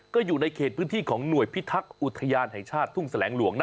ก็อยู่ในเขตพื้นที่ของหน่วยพิทักษ์อุทยานแห่งชาติทุ่งแสลงหลวงนะ